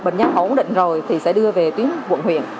bệnh nhân ổn định rồi thì sẽ đưa về tuyến quận huyện